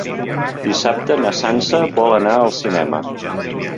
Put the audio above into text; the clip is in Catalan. Dissabte na Sança vol anar al cinema.